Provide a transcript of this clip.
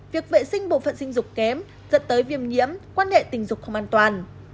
việc vệ sinh bộ phận sinh dục kém dẫn tới viêm nhiễm quan hệ tình dục không an toàn